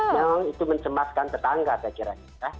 memang itu mencemaskan tetangga saya kira